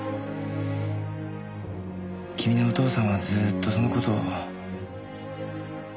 君のお父さんはずっとその事を後悔してた。